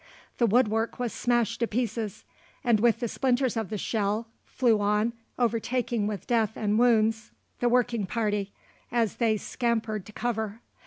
The woodwork was smashed to pieces and, with the splinters of the shell, flew on, overtaking with death and wounds the working party as they scampered to cover.